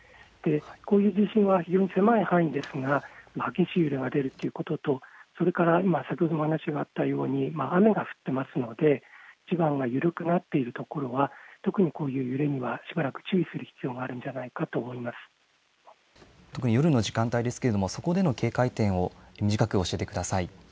こういう地震は非常に狭い範囲ですが、激しい揺れが出るということと、それから、今、先ほどお話があったように雨が降っていますので、地盤が緩くなっている所は、特にこういう揺れには、しばらく注意する必要があるんじゃないか特に夜の時間帯ですけれども、そこでの警戒点を短く教えてください。